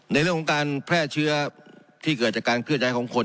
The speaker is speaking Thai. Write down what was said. ในเรื่องของการแพร่เชื้อที่เกิดจากการเคลื่อนย้ายของคน